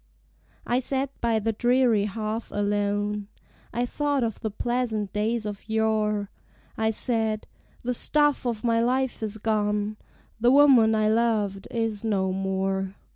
I sat by the dreary hearth alone: I thought of the pleasant days of yore: I said, "The staff of my life is gone: The woman I loved is no more.